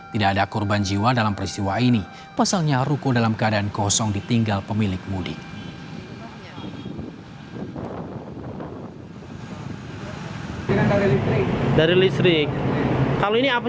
tidak ada korban jiwa dalam peristiwa ini pasalnya ruko dalam keadaan kosong ditinggal pemilik mudik